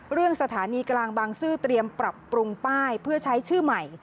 เรื่องสถานีกลางบางซื่อเตรียมปรับปรุงป้ายเพื่อใช้ชื่อใหม่